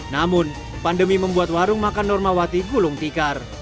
namun pandemi membuat warung makan normawati gulung tikar